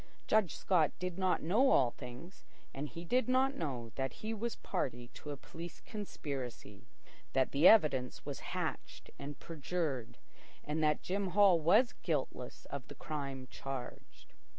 Judge Scott did not know all things, and he did not know that he was party to a police conspiracy, that the evidence was hatched and perjured, that Jim Hall was guiltless of the crime charged.